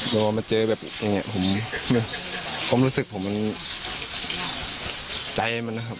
ครับว่ามาเจอแบบอย่างเงี้ยผมผมรู้สึกผมมันใจมันนะครับ